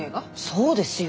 そうですよ！